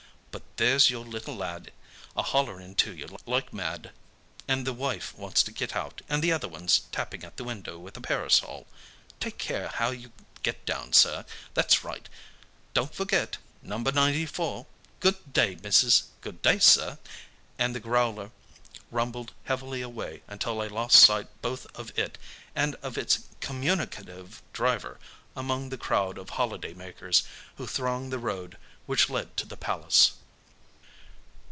But there's your little lad a hollering to you like mad, and the wife wants to get out, and the other one's a tapping at the window with a parasol. Take care how you get down, sir! That's right! Don't forget number ninety four! Good day missus! Good day, sir!" And the growler rumbled heavily away until I lost sight both of it and of its communicative driver among the crowd of holiday makers who thronged the road which led to the Palace.